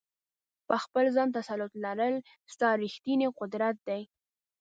په خپل ځان تسلط لرل، ستا ریښتنی قدرت دی.